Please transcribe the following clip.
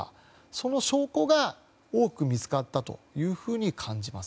その証拠が多く見つかったというふうに感じます。